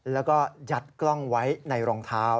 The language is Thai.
แล้วก็ยัดกล้องไว้ในรองเท้า